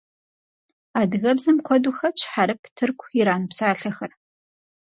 Адыгэбзэм куэду хэтщ хьэрып, тырку, иран псалъэхэр.